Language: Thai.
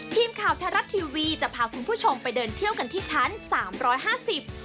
ทีมข่าวทรัศน์ทีวีจะพาคุณผู้ชมไปเดินเที่ยวกันที่ชั้น๓๕๐เมตร